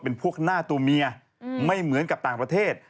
เป็นพวกหน้าตัวเมียไม่เหมือนกับต่างประเทศ